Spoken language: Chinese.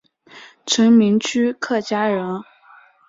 陈铭枢客家人。